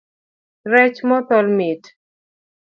Rech mothol mit.